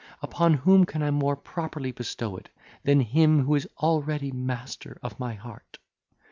Upon whom can I more properly bestow it, than him who is already master of my heart!